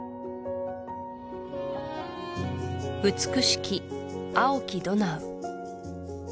美しき青きドナウ